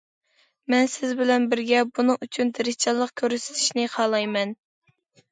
مەن سىز بىلەن بىرگە بۇنىڭ ئۈچۈن تىرىشچانلىق كۆرسىتىشنى خالايمەن.